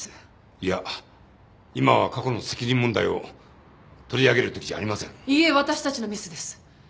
いや今は過去の責任問題を取り上げる時じゃありませんいいえ私たちのミスです